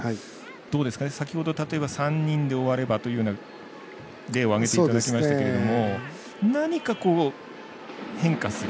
どうですかね、先ほど例えば３人で終わればという例を挙げていただきましたけど何か変化する。